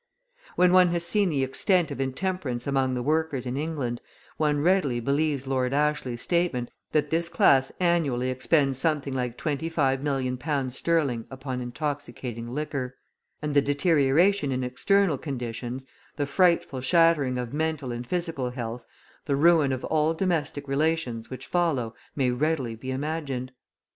When one has seen the extent of intemperance among the workers in England, one readily believes Lord Ashley's statement that this class annually expends something like twenty five million pounds sterling upon intoxicating liquor: and the deterioration in external conditions, the frightful shattering of mental and physical health, the ruin of all domestic relations which follow may readily be imagined.